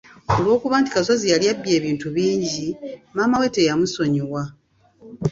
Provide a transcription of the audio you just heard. Olw’okuba nti Kasozi yali abbye ebintu bingi, maama we teyamusonyiwa.